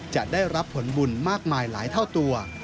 จะได้รับผลบุญมากมายหลายเท่าตัว